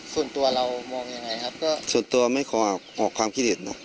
ส่วนตัวเรามองยังไงครับก็ส่วนตัวไม่ขอออกความคิดเห็นเนอะ